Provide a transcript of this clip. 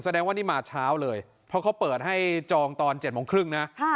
แสดงว่านี่มาเช้าเลยเพราะเขาเปิดให้จองตอน๗โมงครึ่งนะ